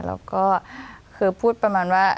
แล้วก็คือพูดประมาณว่า